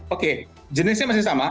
oke jenisnya masih sama